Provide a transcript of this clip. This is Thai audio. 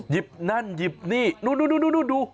หยิบนั่นหยิบนี่นู่นดู